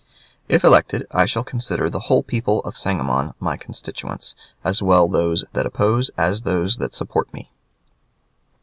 If elected, I shall consider the whole people of Sangamon my constituents, as well those that oppose as those that support me.